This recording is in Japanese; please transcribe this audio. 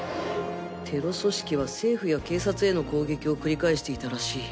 テロ組織は政府や警察への攻撃を繰り返していたらしい。